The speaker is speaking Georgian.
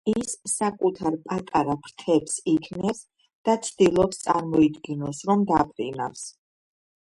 ის საკუთარ პატარა ფრთებს იქნევს და ცდილობს წარმოიდგინოს, რომ დაფრინავს.